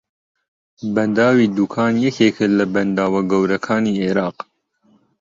بەنداوی دووکان یەکێکە لە بەنداوە گەورەکانی عێراق